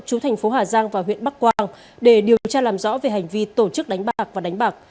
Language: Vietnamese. chú thành phố hà giang và huyện bắc quang để điều tra làm rõ về hành vi tổ chức đánh bạc và đánh bạc